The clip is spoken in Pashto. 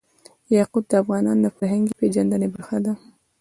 یاقوت د افغانانو د فرهنګي پیژندنې برخه ده.